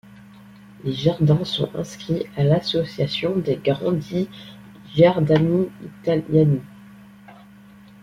Les jardins sont inscrits à l'association des Grandi Giardini Italiani.